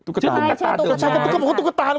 ตุ๊กกะตาเขาบอกว่าตุ๊กกะตาแล้ว